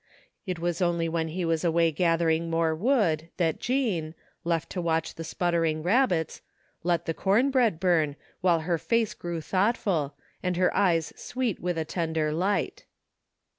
It was only when, he was away gathering more wood that Jean, left to watch the sputtering rabbits, let the com bread bum, while her face grew thoughtful, and her eyes sweet with a tender light.